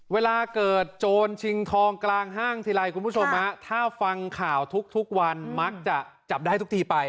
เวลาเกิดโจรชิงทองกลางห้างทีไรคุณผู้ชมถ้าฟังข่าวทุกวันมักจะจับได้ทุกทีไป